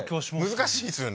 難しいですよね。